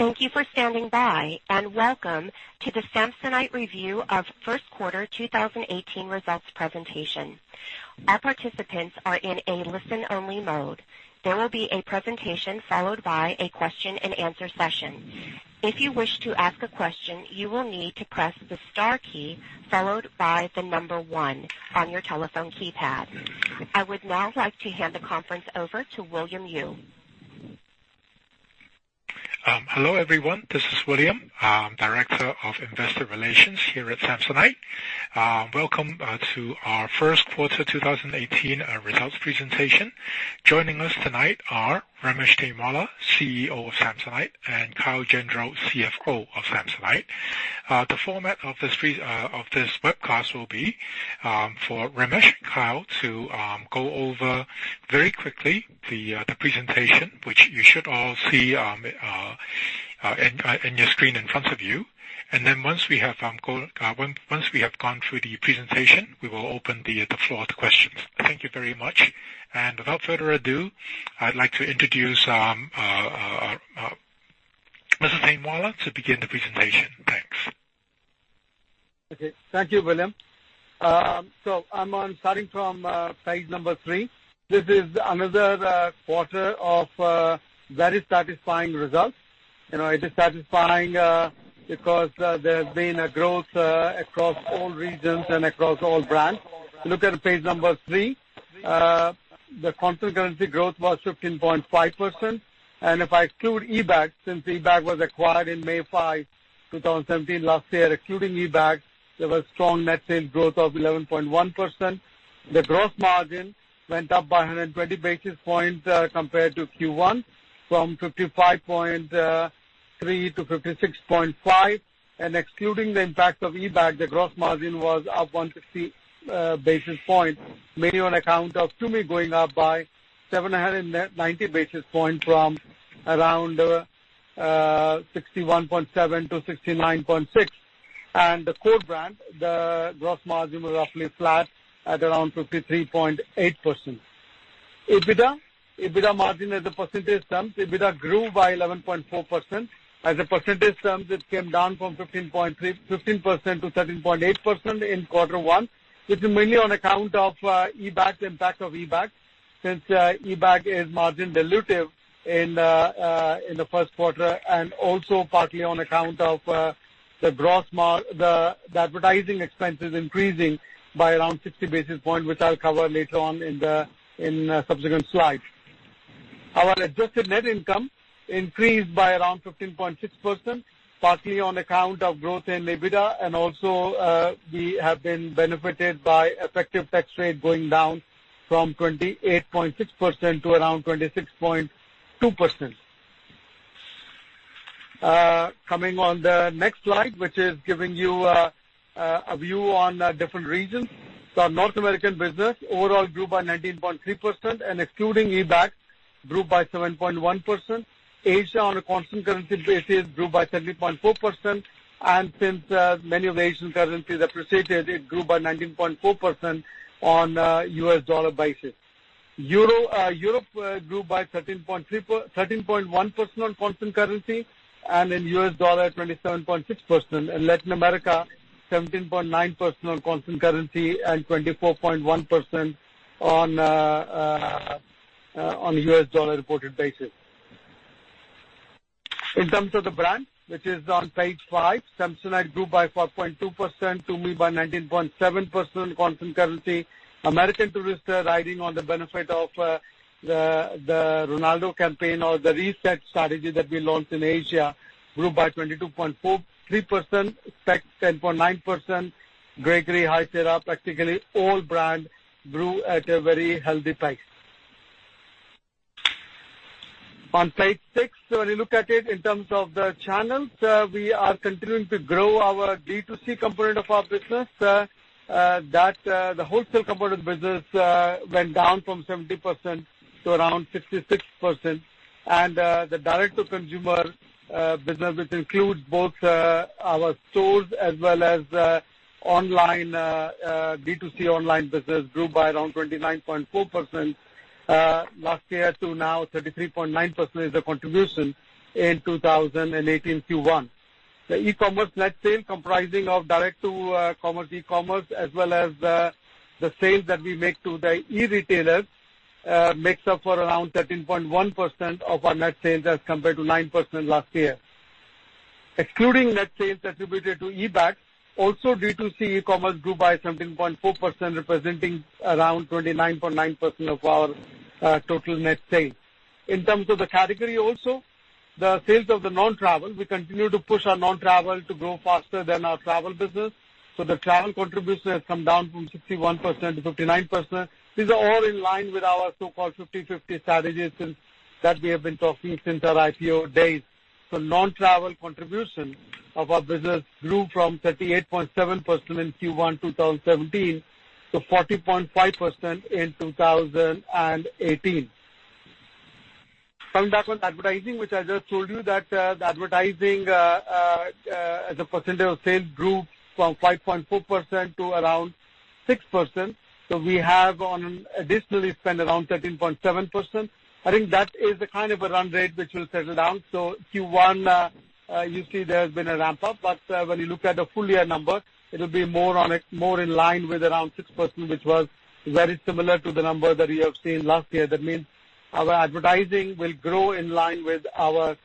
Thank you for standing by, and welcome to the Samsonite Review of First Quarter 2018 Results presentation. All participants are in a listen-only mode. There will be a presentation followed by a question and answer session. If you wish to ask a question, you will need to press the star key followed by the number 1 on your telephone keypad. I would now like to hand the conference over to William Yue. Hello, everyone. This is William, Director of Investor Relations here at Samsonite. Welcome to our first quarter 2018 results presentation. Joining us tonight are Ramesh Tainwala, CEO of Samsonite, and Kyle Gendreau, CFO of Samsonite. The format of this webcast will be for Ramesh and Kyle to go over, very quickly, the presentation, which you should all see on your screen in front of you. Then once we have gone through the presentation, we will open the floor to questions. Thank you very much. Without further ado, I'd like to introduce Mr. Tainwala to begin the presentation. Thanks. Okay. Thank you, William. I'm starting from page number 3. This is another quarter of very satisfying results. It is satisfying because there's been a growth across all regions and across all brands. Look at page number 3. The constant currency growth was 15.5%, and if I exclude eBags, since eBags was acquired in May 5, 2017, last year, excluding eBags, there was strong net sales growth of 11.1%. The gross margin went up by 120 basis points compared to Q1 from 55.3% to 56.5%. Excluding the impact of eBags, the gross margin was up 150 basis points, mainly on account of Tumi going up by 790 basis points from around 61.7% to 69.6%. The core brand, the gross margin was roughly flat at around 53.8%. EBITDA margin as a percentage terms, EBITDA grew by 11.4%. As a percentage term, it came down from 15% to 13.8% in quarter 1, which is mainly on account of the impact of eBags, since eBags is margin dilutive in the first quarter, and also partly on account of the advertising expenses increasing by around 60 basis points, which I'll cover later on in a subsequent slide. Our adjusted net income increased by around 15.6%, partly on account of growth in EBITDA, and also we have been benefited by effective tax rate going down from 28.6% to around 26.2%. Coming on the next slide, which is giving you a view on different regions. Our North American business overall grew by 19.3% and excluding eBags, grew by 7.1%. Asia on a constant currency basis grew by 7.4%, and since many of the Asian currencies appreciated, it grew by 19.4% on a U.S. dollar basis. Europe grew by 13.1% on constant currency and in U.S. dollar, 27.6%. In Latin America, 17.9% on constant currency and 24.1% on a U.S. dollar reported basis. In terms of the brands, which is on page five, Samsonite Group by 4.2%, Tumi by 19.7% on constant currency. American Tourister, riding on the benefit of the Ronaldo campaign or the reset strategy that we launched in Asia, grew by 22.3%. Lipault, 10.9%. Gregory, High Sierra, practically all brands grew at a very healthy pace. On page six, when you look at it in terms of the channels, we are continuing to grow our D2C component of our business. The wholesale component business went down from 70% to around 66%. The direct-to-consumer business, which includes both our stores as well as D2C online business, grew by around 29.4% last year to now 33.9% is the contribution in 2018 Q1. The e-commerce net sales comprising of direct-to-consumer e-commerce as well as the sales that we make to the e-retailers makes up for around 13.1% of our net sales as compared to 9% last year. Excluding net sales attributed to eBags, also D2C e-commerce grew by 17.4%, representing around 29.9% of our total net sales. In terms of the category also, the sales of the non-travel, we continue to push our non-travel to grow faster than our travel business. The travel contribution has come down from 61% to 59%. These are all in line with our so-called 50/50 strategy that we have been talking since our IPO days. Non-travel contribution of our business grew from 38.7% in Q1 2017 to 40.5% in 2018. Coming back on advertising, which I just told you that the advertising as a percentage of sales grew from 5.4% to around 6%. We have additionally spent around 13.7%. I think that is the kind of a run rate which will settle down. Q1, you see there has been a ramp up, but when you look at the full year number, it'll be more in line with around 6%, which was very similar to the number that we have seen last year. That means our advertising will grow in line with our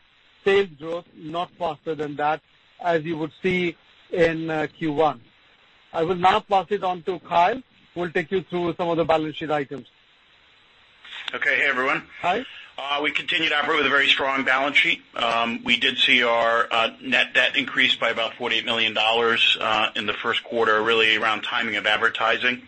sales growth, not faster than that, as you would see in Q1. I will now pass it on to Kyle, who will take you through some of the balance sheet items. Okay. Hey, everyone. Hi. We continued out with a very strong balance sheet. We did see our net debt increase by about $48 million in the first quarter, really around timing of advertising.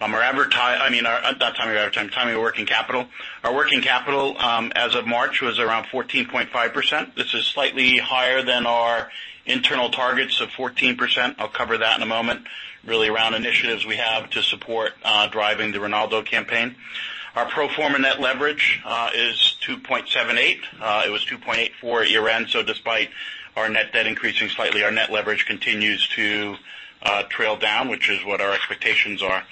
Not timing of advertising, timing of working capital. Our working capital, as of March, was around 14.5%. This is slightly higher than our internal targets of 14%. I will cover that in a moment. Really around initiatives we have to support driving the Ronaldo campaign. Our pro forma net leverage is 2.78. It was 2.84 at year-end. Despite our net debt increasing slightly, our net leverage continues to trail down, which is what our expectations are.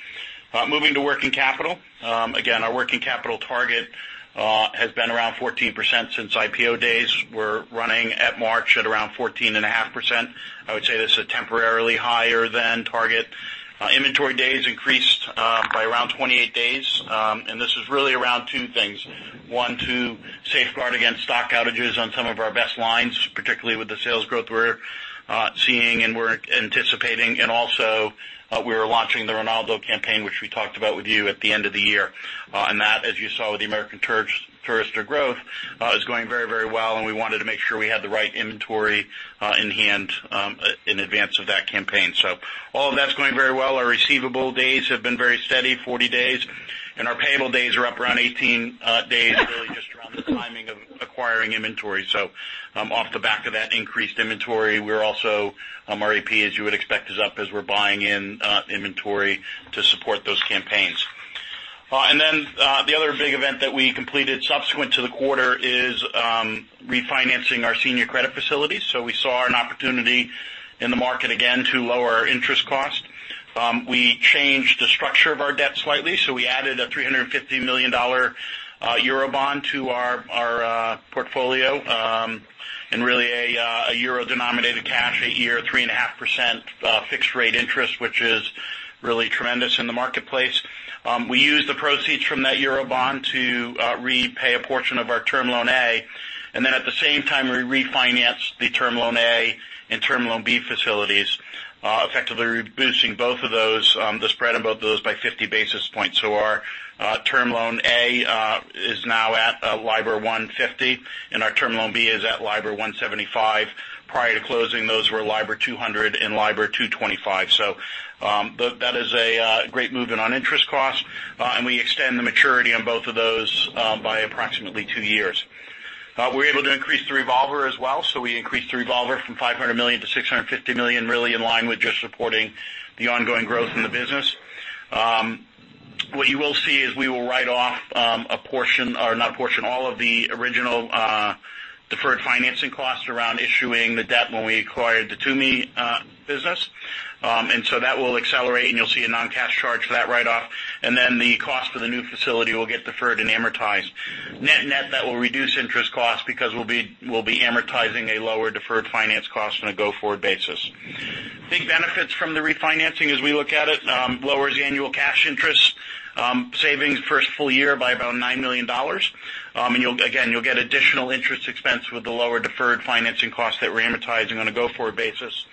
Moving to working capital. Again, our working capital target has been around 14% since IPO days. We're running at March at around 14.5%. I would say this is temporarily higher than target. Inventory days increased by around 28 days. This is really around two things. One, to safeguard against stock outages on some of our best lines, particularly with the sales growth we're seeing and we're anticipating, also we're launching the Ronaldo campaign, which we talked about with you at the end of the year. That, as you saw with the American Tourister growth, is going very well, and we wanted to make sure we had the right inventory in hand, in advance of that campaign. All of that's going very well. Our receivable days have been very steady, 40 days, and our payable days are up around 18 days, really just around the timing of acquiring inventory. Off the back of that increased inventory, our AP, as you would expect, is up as we're buying in inventory to support those campaigns. The other big event that we completed subsequent to the quarter is refinancing our senior credit facilities. We saw an opportunity in the market again to lower our interest cost. We changed the structure of our debt slightly. We added a $350 million eurobond to our portfolio, and really a euro-denominated cash, a year, 3.5% fixed rate interest, which is really tremendous in the marketplace. We used the proceeds from that eurobond to repay a portion of our Term Loan A, at the same time, we refinanced the Term Loan A and Term Loan B facilities, effectively reducing the spread on both of those by 50 basis points. Our Term Loan A is now at LIBOR 150, and our Term Loan B is at LIBOR 175. Prior to closing, those were LIBOR 200 and LIBOR 225. That is a great move in on interest cost. We extend the maturity on both of those by approximately two years. We were able to increase the revolver as well. We increased the revolver from $500 million to $650 million, really in line with just supporting the ongoing growth in the business. What you will see is we will write off all of the original deferred financing costs around issuing the debt when we acquired the Tumi business. That will accelerate, and you'll see a non-cash charge for that write-off. The cost for the new facility will get deferred and amortized. Net, that will reduce interest costs because we'll be amortizing a lower deferred finance cost on a go-forward basis. Big benefits from the refinancing as we look at it. Lowers the annual cash interest savings first full year by about $9 million. Again, you'll get additional interest expense with the lower deferred financing cost that we're amortizing on a go-forward basis.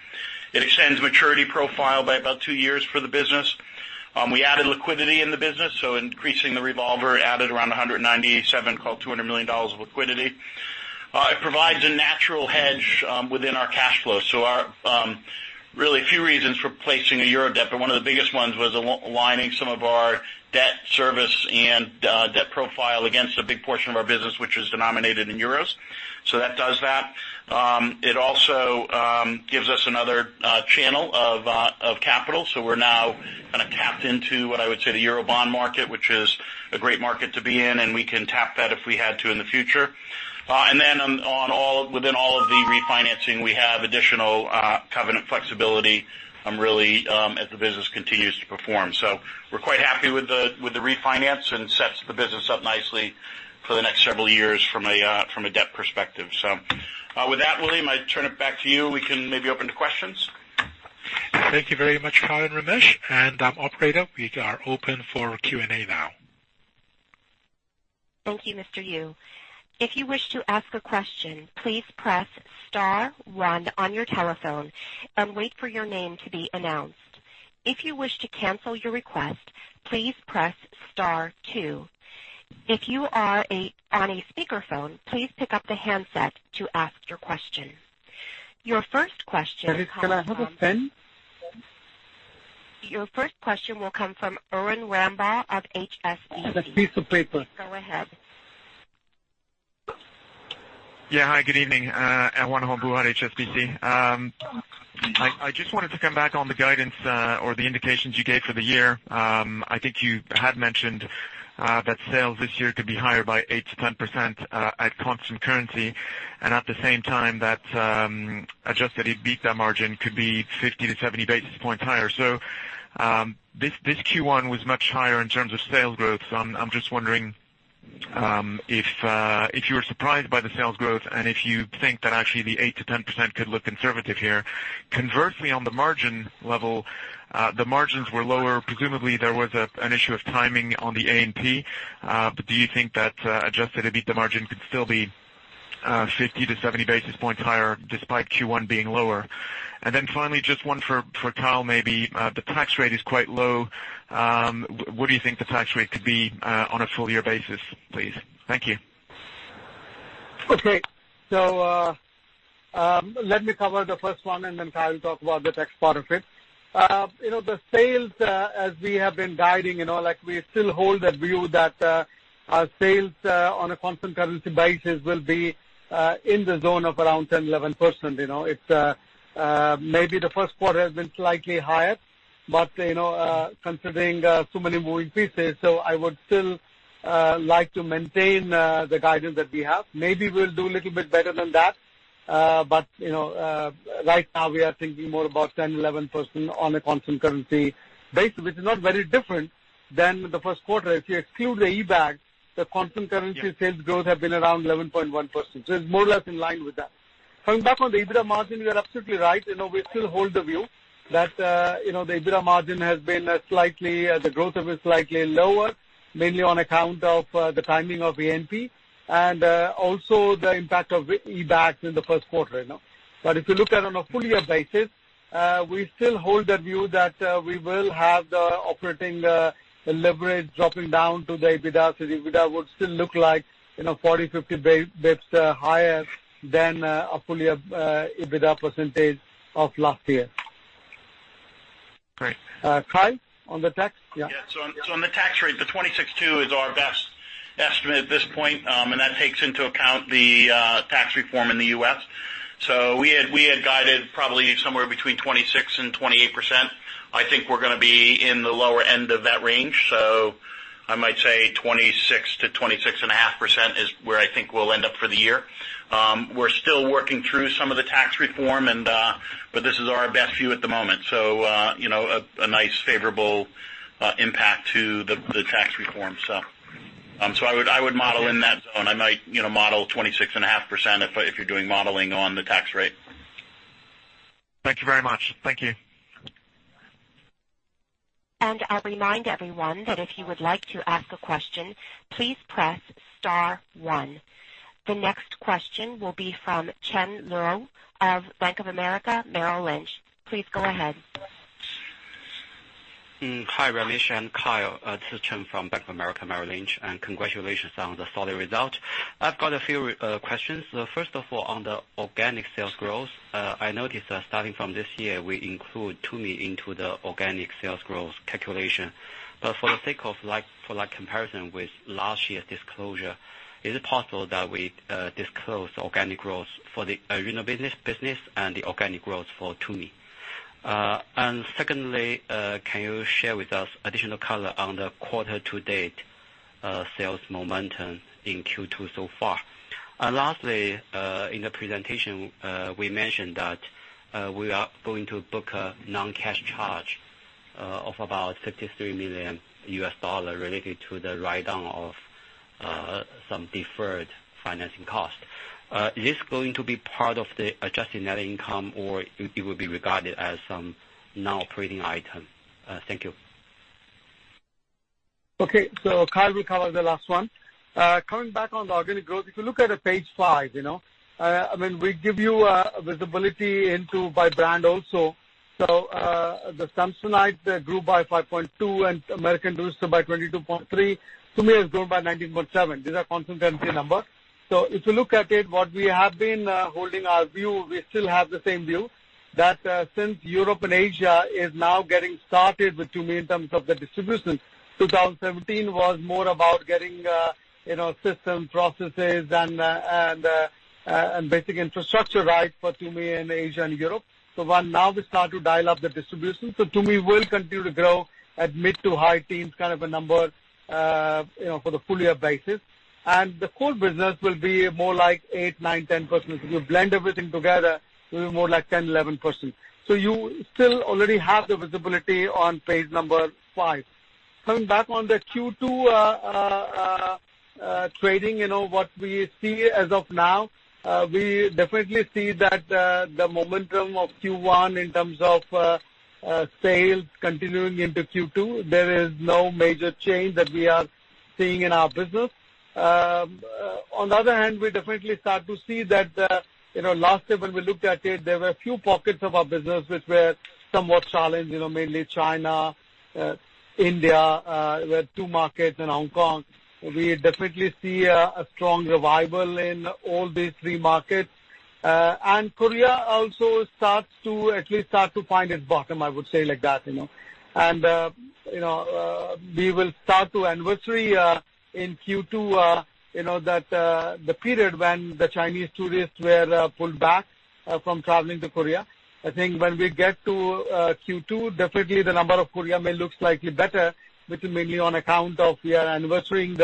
It extends maturity profile by about two years for the business. We added liquidity in the business, increasing the revolver added around $197 call $200 million of liquidity. It provides a natural hedge within our cash flow. Really a few reasons for placing a Euro debt, but one of the biggest ones was aligning some of our debt service and debt profile against a big portion of our business, which is denominated in EUR. That does that. It also gives us another channel of capital. We're now tapped into, what I would say, the Eurobond market, which is a great market to be in, and we can tap that if we had to in the future. Within all of the refinancing, we have additional covenant flexibility, really as the business continues to perform. We're quite happy with the refinance, and it sets the business up nicely for the next several years from a debt perspective. With that, William, I turn it back to you. We can maybe open to questions. Thank you very much, Kyle and Ramesh. Operator, we are open for Q&A now. Thank you, Mr. Yue. If you wish to ask a question, please press star one on your telephone and wait for your name to be announced. If you wish to cancel your request, please press star two. If you are on a speakerphone, please pick up the handset to ask your question. Your first question comes from- Can I have a pen? Your first question will come from Erwan Rambourg of HSBC. A piece of paper. Go ahead. Yeah. Hi, good evening. Erwan Rambourg, HSBC. I just wanted to come back on the guidance or the indications you gave for the year. I think you had mentioned that sales this year could be higher by 8%-10% at constant currency, and at the same time that adjusted EBITDA margin could be 50-70 basis points higher. This Q1 was much higher in terms of sales growth. I'm just wondering If you were surprised by the sales growth and if you think that actually the 8%-10% could look conservative here. Conversely, on the margin level, the margins were lower. Presumably, there was an issue of timing on the A&P. Do you think that adjusted EBITDA margin could still be 50-70 basis points higher despite Q1 being lower? Then finally, just one for Kyle, maybe. The tax rate is quite low. What do you think the tax rate could be on a full-year basis, please? Thank you. Okay. Let me cover the first one and then Kyle will talk about the tax part of it. The sales, as we have been guiding, we still hold the view that our sales on a constant currency basis will be in the zone of around 10%-11%. Maybe the first quarter has been slightly higher, considering so many moving pieces, I would still like to maintain the guidance that we have. Maybe we'll do a little bit better than that. Right now, we are thinking more about 10%-11% on a constant currency basis, which is not very different than the first quarter. If you exclude the eBags, the constant currency sales growth have been around 11.1%. It's more or less in line with that. Coming back on the EBITDA margin, you are absolutely right. We still hold the view that the EBITDA margin has been slightly, the growth of it slightly lower, mainly on account of the timing of A&P and also the impact of eBags in the first quarter. If you look at it on a full year basis, we still hold the view that we will have the operating leverage dropping down to the EBITDA. The EBITDA would still look like 40-50 basis points higher than a full year EBITDA percentage of last year. Great. Kyle, on the tax? Yeah. On the tax rate, the 26.2% is our best estimate at this point, and that takes into account the tax reform in the U.S. We had guided probably somewhere between 26% and 28%. I think we're going to be in the lower end of that range. I might say 26%-26.5% is where I think we'll end up for the year. We're still working through some of the tax reform, this is our best view at the moment. A nice favorable impact to the tax reform. I would model in that zone. I might model 26.5% if you're doing modeling on the tax rate. Thank you very much. Thank you. I remind everyone that if you would like to ask a question, please press star one. The next question will be from Chen Luo of Bank of America Merrill Lynch. Please go ahead. Hi, Ramesh and Kyle. Congratulations on the solid result. I've got a few questions. First of all, on the organic sales growth, I noticed that starting from this year, we include Tumi into the organic sales growth calculation. For the sake of comparison with last year's disclosure, is it possible that we disclose organic growth for the Arena business and the organic growth for Tumi? Secondly, can you share with us additional color on the quarter to date sales momentum in Q2 so far? Lastly, in the presentation, we mentioned that we are going to book a non-cash charge of about $63 million related to the write-down of some deferred financing costs. Is this going to be part of the adjusted net income, or it will be regarded as some non-operating item? Thank you. Okay, Kyle will cover the last one. Coming back on the organic growth, if you look at page five, we give you visibility into by brand also. The Samsonite Group by 5.2 and American Tourister by 22.3. Tumi has grown by 19.7. These are constant currency number. If you look at it, what we have been holding our view, we still have the same view, that since Europe and Asia is now getting started with Tumi in terms of the distribution, 2017 was more about getting system, processes, and basic infrastructure rights for Tumi in Asia and Europe. While now we start to dial up the distribution. Tumi will continue to grow at mid to high teens kind of a number, for the full year basis. The core business will be more like 8%, 9%, 10%. If you blend everything together, it will be more like 10%, 11%. You still already have the visibility on page number five. Coming back on the Q2 trading, what we see as of now, we definitely see that the momentum of Q1 in terms of sales continuing into Q2. There is no major change that we are seeing in our business. On the other hand, we definitely start to see that lastly, when we looked at it, there were a few pockets of our business which were somewhat challenged, mainly China, India, were two markets, and Hong Kong. We definitely see a strong revival in all these three markets. Korea also at least starts to find its bottom, I would say like that. We will start to anniversary in Q2, that the period when the Chinese tourists were pulled back from traveling to Korea. I think when we get to Q2, definitely the number of Korea may look slightly better, which is mainly on account of we are anniversarying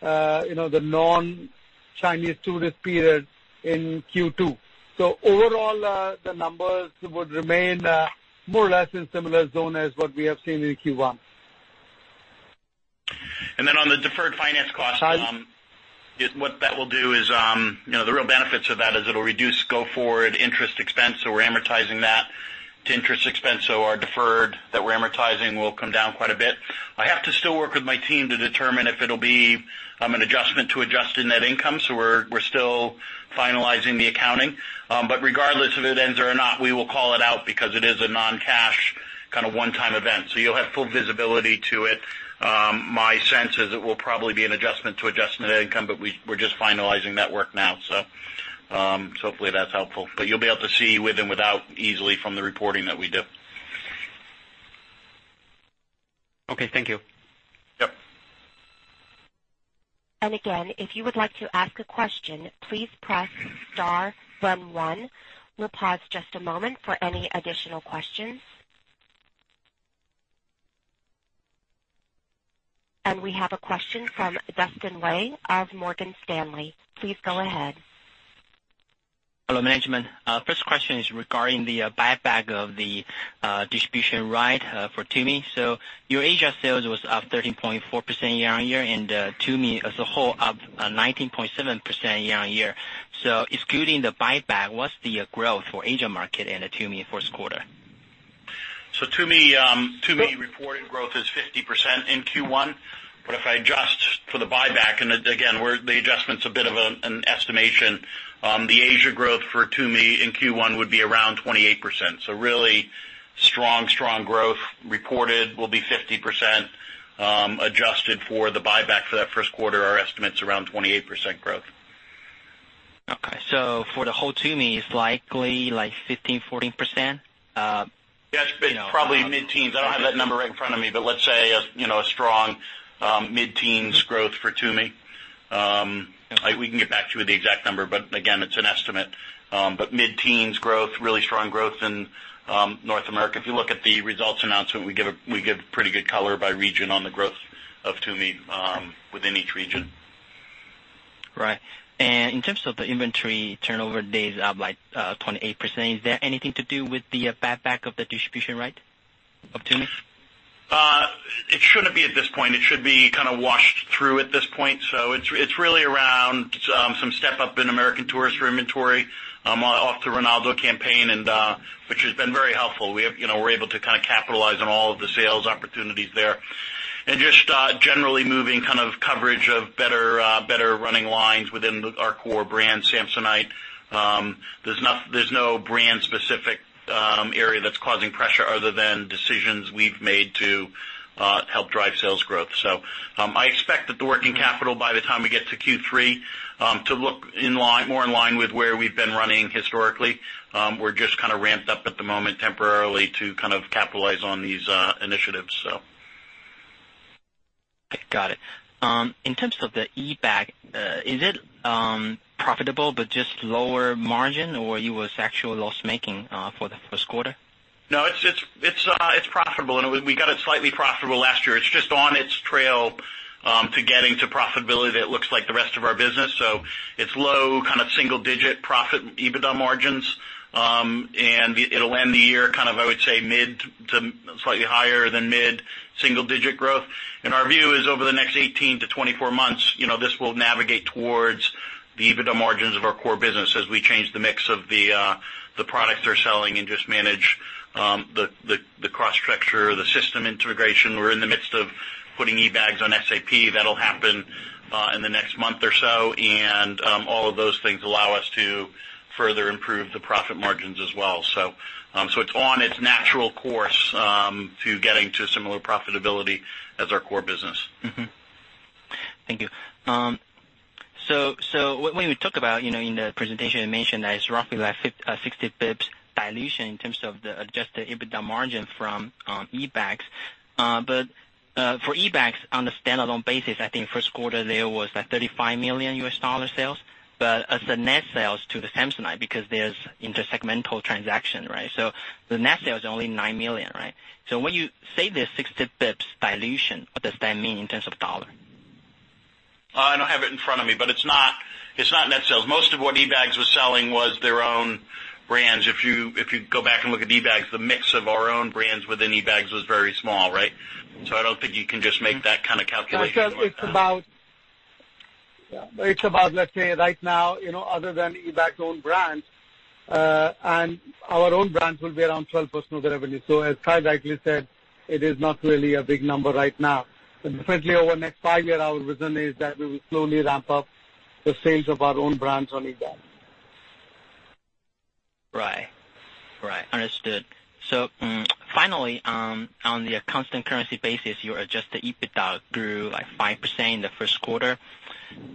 the non Chinese tourist period in Q2. Overall, the numbers would remain more or less in similar zone as what we have seen in Q1. On the deferred finance costs. Kyle? What that will do is, the real benefits of that is it'll reduce go-forward interest expense, so we're amortizing that to interest expense. Our deferred that we're amortizing will come down quite a bit. I have to still work with my team to determine if it'll be an adjustment to adjusted net income. We're still finalizing the accounting. Regardless if it ends or not, we will call it out because it is a non-cash kind of one-time event. You'll have full visibility to it. My sense is it will probably be an adjustment to adjusted net income, but we're just finalizing that work now. Hopefully that's helpful. You'll be able to see with and without easily from the reporting that we do. Okay. Thank you. Yep. Again, if you would like to ask a question, please press star then one. We'll pause just a moment for any additional questions. We have a question from Dustin Wei of Morgan Stanley. Please go ahead. Hello, management. First question is regarding the buyback of the distribution right for Tumi. Your Asia sales was up 13.4% year-on-year, and Tumi as a whole up 19.7% year-on-year. Excluding the buyback, what's the growth for Asia market and Tumi first quarter? Tumi reported growth is 50% in Q1. If I adjust for the buyback, and again, the adjustment's a bit of an estimation, the Asia growth for Tumi in Q1 would be around 28%. Really strong growth reported will be 50%, adjusted for the buyback for that first quarter, our estimate's around 28% growth. Okay. For the whole Tumi, it's likely 15, 14%? Yeah. It's probably mid-teens. I don't have that number right in front of me, but let's say a strong mid-teens growth for Tumi. We can get back to you with the exact number, but again, it's an estimate. Mid-teens growth, really strong growth in North America. If you look at the results announcement, we give pretty good color by region on the growth of Tumi within each region. Right. In terms of the inventory turnover days, up 28%, is that anything to do with the buyback of the distribution right of Tumi? It shouldn't be at this point. It should be kind of washed through at this point. It's really around some step-up in American Tourister inventory off the Ronaldo campaign, which has been very helpful. We're able to capitalize on all of the sales opportunities there. Just generally moving coverage of better running lines within our core brand, Samsonite. There's no brand specific area that's causing pressure other than decisions we've made to help drive sales growth. I expect that the working capital, by the time we get to Q3, to look more in line with where we've been running historically. We're just kind of ramped up at the moment temporarily to capitalize on these initiatives. Okay, got it. In terms of the eBags, is it profitable but just lower margin, or you was actual loss-making for the first quarter? No, it's profitable, we got it slightly profitable last year. It's just on its trail to getting to profitability that looks like the rest of our business. It's low, kind of single-digit profit EBITDA margins. It'll end the year kind of, I would say, mid to slightly higher than mid single-digit growth. Our view is over the next 18-24 months, this will navigate towards the EBITDA margins of our core business as we change the mix of the products they're selling and just manage the cost structure, the system integration. We're in the midst of putting eBags on SAP. That'll happen in the next month or so. All of those things allow us to further improve the profit margins as well. It's on its natural course to getting to similar profitability as our core business. Thank you. When we talk about in the presentation, you mentioned that it is roughly like 60 basis points dilution in terms of the adjusted EBITDA margin from eBags. For eBags, on a standalone basis, I think first quarter there was like $35 million US dollar sales, but as a net sales to the Samsonite, because there is intersegmental transaction, right? The net sales are only $9 million, right? When you say there is 60 basis points dilution, what does that mean in terms of dollar? I don't have it in front of me, but it is not net sales. Most of what eBags was selling was their own brands. If you go back and look at eBags, the mix of our own brands within eBags was very small, right? I don't think you can just make that kind of calculation. It is about, let's say right now, other than eBags' own brands, and our own brands will be around 12% of the revenue. As Kyle rightly said, it is not really a big number right now. Definitely over the next five year, our vision is that we will slowly ramp up the sales of our own brands on eBags. Right. Understood. Finally, on the constant currency basis, your adjusted EBITDA grew 5% in the first quarter.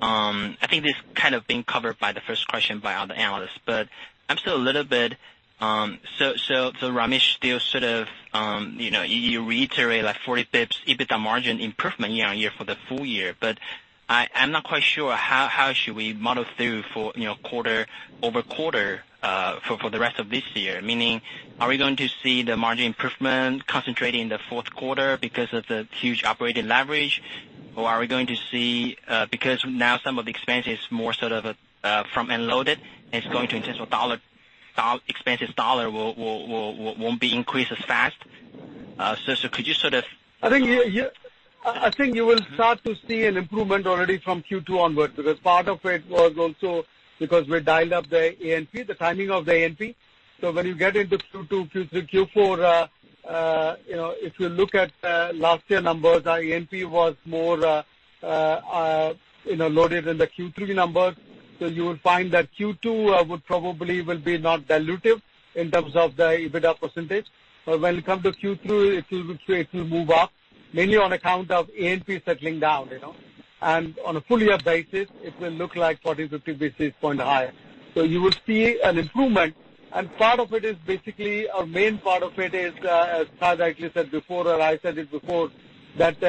I think this kind of been covered by the first question by other analysts, but I'm still a little bit Ramesh still sort of, you reiterate 40 basis points EBITDA margin improvement year-over-year for the full year, but I'm not quite sure how should we model through for quarter-over-quarter for the rest of this year, meaning are we going to see the margin improvement concentrating in the fourth quarter because of the huge operating leverage? Are we going to see, because now some of the expense is more sort of front-end loaded, it is going to in terms of dollar Expenses won't be increased as fast. Could you sort of? I think you will start to see an improvement already from Q2 onwards, because part of it was also because we dialed up the A&P, the timing of the A&P. When you get into Q2, Q3, Q4, if you look at last year numbers, our A&P was more loaded in the Q3 numbers. You will find that Q2 would probably will be not dilutive in terms of the EBITDA percentage. When it comes to Q3, it will move up mainly on account of A&P settling down. On a full year basis, it will look like 40, 50 basis points higher. You will see an improvement, and part of it is basically, a main part of it is, as Kyle directly said before, or I said it before, that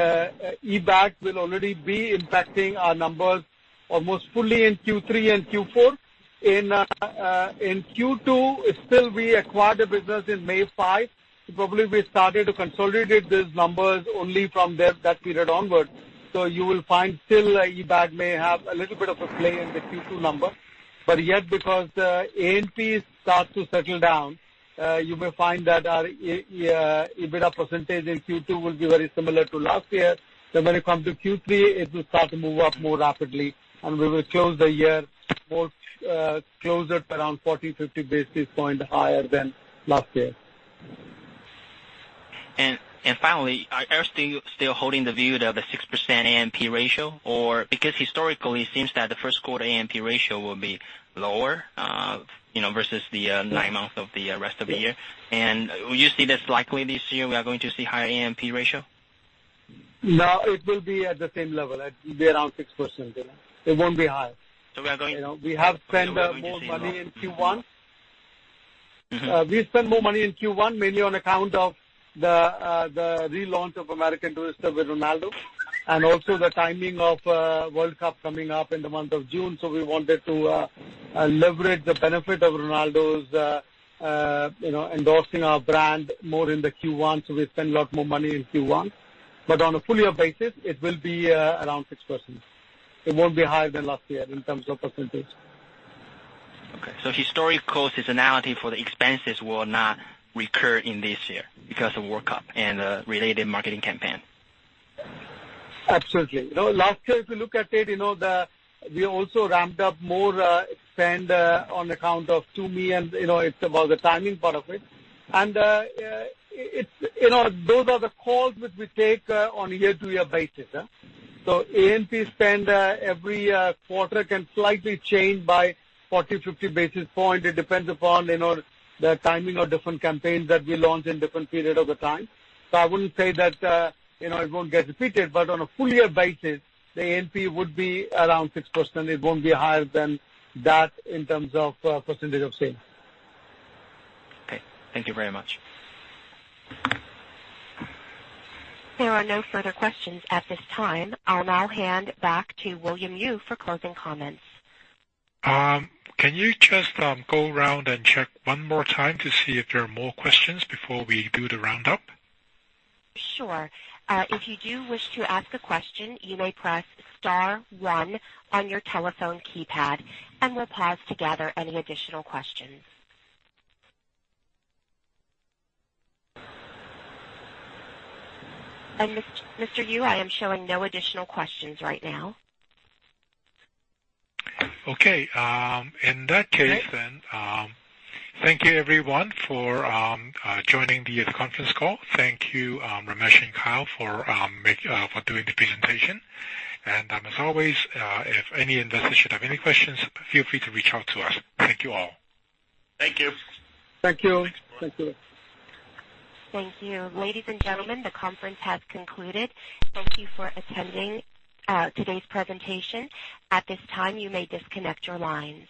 eBags will already be impacting our numbers almost fully in Q3 and Q4. In Q2, still we acquired the business in May 5. Probably we started to consolidate these numbers only from that period onwards. You will find still, eBags may have a little bit of a play in the Q2 number. Yet because A&P starts to settle down, you may find that our EBITDA percentage in Q2 will be very similar to last year. When it comes to Q3, it will start to move up more rapidly, and we will close the year more closer to around 40, 50 basis points higher than last year. Finally, are you still holding the view of a 6% A&P ratio? Because historically, it seems that the first quarter A&P ratio will be lower versus the nine months of the rest of the year. Will you see this likely this year, we are going to see higher A&P ratio? No, it will be at the same level. It will be around 6%. It won't be higher. we are going- We have spent more money in Q1. We spent more money in Q1 mainly on account of the relaunch of American Tourister with Ronaldo, and also the timing of World Cup coming up in the month of June. We wanted to leverage the benefit of Ronaldo's endorsing our brand more in the Q1. We spend a lot more money in Q1. On a full year basis, it will be around 6%. It won't be higher than last year in terms of percentage. Okay, historic seasonality for the expenses will not recur in this year because of World Cup and related marketing campaign. Absolutely. Last year, if you look at it, we also ramped up more spend on account of Tumi, and it was the timing part of it. Those are the calls which we take on a year-to-year basis. A&P spend every quarter can slightly change by 40, 50 basis points. It depends upon the timing of different campaigns that we launch in different period of the time. I wouldn't say that it won't get repeated, but on a full year basis, the A&P would be around 6%. It won't be higher than that in terms of percentage of sale. Okay. Thank you very much. There are no further questions at this time. I'll now hand back to William Yue for closing comments. Can you just go around and check one more time to see if there are more questions before we do the roundup? Sure. If you do wish to ask a question, you may press star one on your telephone keypad, and we'll pause to gather any additional questions. Mr. Yue, I am showing no additional questions right now. Okay. In that case then, thank you everyone for joining the conference call. Thank you, Ramesh and Kyle, for doing the presentation. As always, if any investors should have any questions, feel free to reach out to us. Thank you all. Thank you. Thank you. Thanks. Thank you. Thank you. Ladies and gentlemen, the conference has concluded. Thank you for attending today's presentation. At this time, you may disconnect your lines.